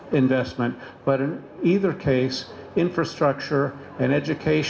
tapi dalam kondisi mana mana infrastruktur dan pendidikan